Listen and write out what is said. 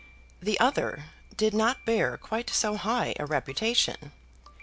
The other, did not bear quite so high a reputation.